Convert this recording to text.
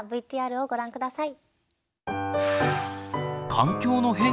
ＶＴＲをご覧下さい。